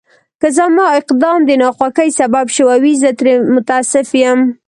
که زما اقدام د ناخوښۍ سبب شوی وي، زه ترې متأسف یم.